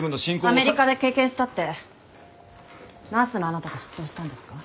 アメリカで経験したってナースのあなたが執刀したんですか？